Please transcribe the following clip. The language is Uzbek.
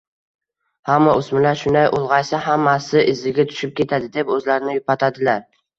“hamma o‘smirlar shunday, ulg‘aysa hammasi iziga tushib ketadi”, deb o‘zlarini yupatadilar.